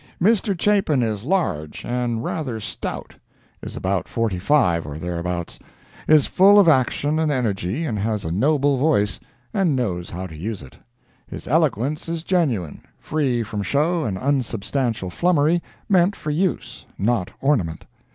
Mr. Chapin is large, and rather stout; is about forty five, or thereabouts; is full of action and energy, and has a noble voice, and knows how to use it. His eloquence is genuine, free from show and unsubstantial flummery, meant for use, not ornament.